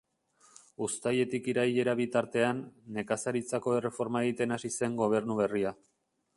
Uztailetik irailera bitartean, nekazaritzako erreforma egiten hasi zen gobernu berria.